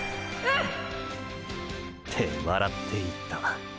ーーって笑って言った。